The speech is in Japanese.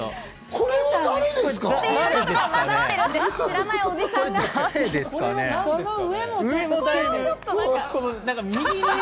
これは誰ですか？